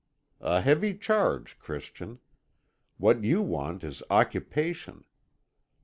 "' A heavy charge, Christian. What you want is occupation.